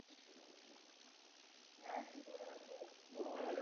Svou náplní částečně odpovídá Muzejní noci nebo Noci kostelů v německy mluvících zemích.